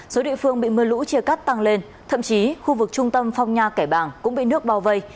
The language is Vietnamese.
số địa phương bị mưa lũ chia cắt tăng lên thậm chí khu vực trung tâm phong nha kẻ bàng cũng bị nước bao vây